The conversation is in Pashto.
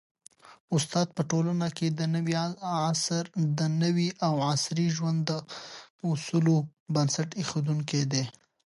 استاد په ټولنه کي د نوي او عصري ژوند د اصولو بنسټ ایښودونکی دی.